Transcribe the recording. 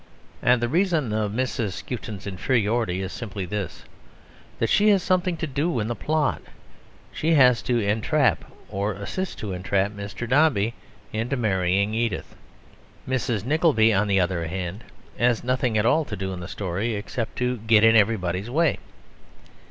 And the reason of Mrs. Skewton's inferiority is simply this, that she has something to do in the plot; she has to entrap or assist to entrap Mr. Dombey into marrying Edith. Mrs. Nickleby, on the other hand, has nothing at all to do in the story, except to get in everybody's way.